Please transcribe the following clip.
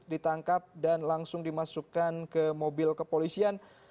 ditangkap dan langsung dimasukkan ke mobil kepolisian